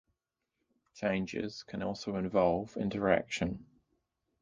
Changes can also involve interaction.